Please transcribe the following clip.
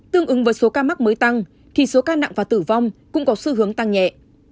tương ứng với số ca mắc mới tăng thì số ca nặng và tử vong cũng có xu hướng tăng nhẹ